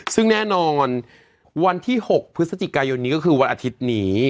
ซึ่งแน่นอนวันที่๖พฤศจิกายนนี้ก็คือวันอาทิตย์นี้